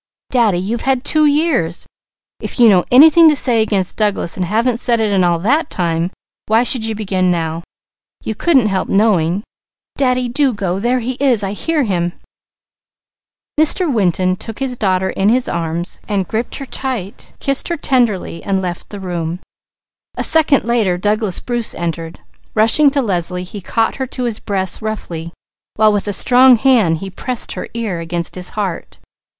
"Daddy, you've had two years! If you know anything to say against Douglas and haven't said it in all that time, why should you begin now? You couldn't help knowing! Daddy, do go! There he is! I hear him!" Mr. Winton took his daughter in his arms, kissed her tenderly, and left the room. A second later Douglas Bruce entered. Rushing to Leslie he caught her to his breast roughly, while with a strong hand he pressed her ear against his heart.